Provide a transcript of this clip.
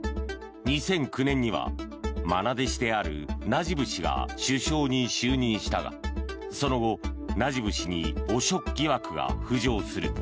２００９年にはまな弟子であるナジブ氏が首相に就任したがその後、ナジブ氏に汚職疑惑が浮上する。